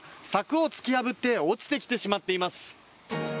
柵を突き破って落ちてきてしまっています。